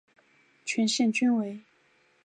全线均为。